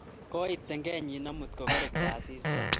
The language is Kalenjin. koit sengenyi amut kogarekto asista